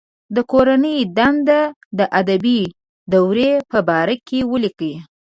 د کورنۍ دنده د ادبي دورې په باره کې ولیکئ.